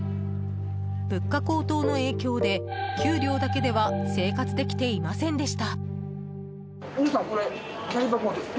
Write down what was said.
物価高騰の影響で給料だけでは生活できていませんでした。